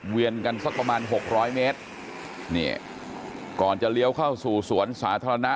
เวียนกันสักประมาณหกร้อยเมตรนี่ก่อนจะเลี้ยวเข้าสู่สวนสาธารณะ